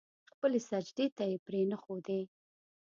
خپلې سجدې ته يې پرې نه ښودې.